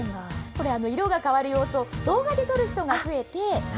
これ、色が変わる様子を動画で撮る人が増えて。